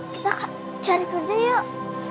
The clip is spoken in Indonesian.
kita cari kerja yuk